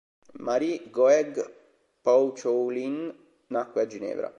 Marie Goegg-Pouchoulin nacque a Ginevra.